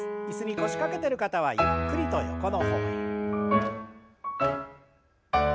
椅子に腰掛けてる方はゆっくりと横の方へ。